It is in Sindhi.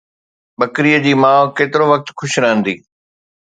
ٻڪريءَ جي ماءُ ڪيترو وقت خوش رهندي؟